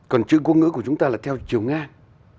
còn chữ quốc ngữ của chúng ta là theo chiều ngang